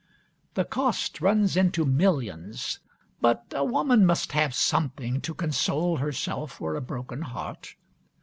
The cost runs into millions, but a woman must have something to console herself for a broken heart.